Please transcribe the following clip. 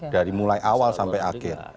dari mulai awal sampai akhir